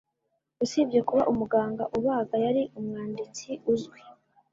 Usibye kuba umuganga ubaga, yari umwanditsi uzwi.